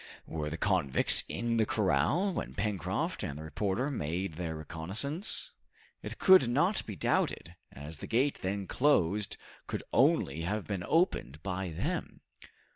Were the convicts in the corral when Pencroft and the reporter made their reconnaissance? It could not be doubted, as the gate then closed could only have been opened by them.